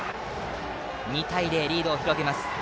２対０でリードを広げます。